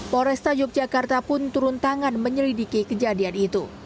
polresta yogyakarta pun turun tangan menyelidiki kejadian itu